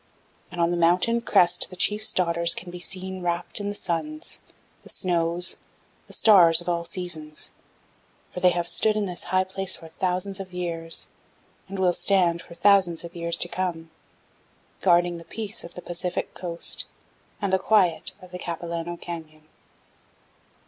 "And on the mountain crest the chief's daughters can be seen wrapped in the suns, the snows, the stars of all seasons, for they have stood in this high place for thousands of years, and will stand for thousands of years to come, guarding the peace of the Pacific Coast and the quiet of the Capilano Canyon."